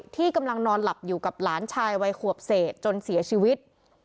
ที่กำลังนอนหลับอยู่กับหลานชายวัยขวบเศษจนเสียชีวิต